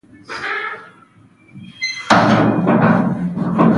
چي زړه به کله در سړیږی د اسمان وطنه